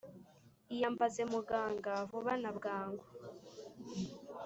iyambaze muganga vuba na bwangu.